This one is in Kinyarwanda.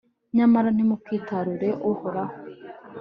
nyamara ntimukitarure uhoraho